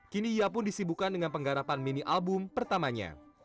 kini ia pun disibukan dengan penggarapan mini album pertamanya